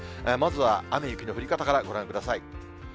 まずは雨、雪の降り方からご覧ください。